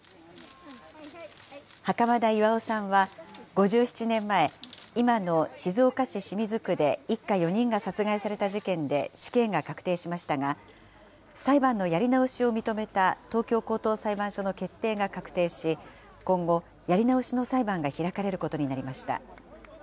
袴田巌さんは５７年前、今の静岡市清水区で一家４人が殺害された事件で死刑が確定しましたが、裁判のやり直しを認めた東京高等裁判所の決定が確定し、今後、やり直しの裁判が開かれることになりました。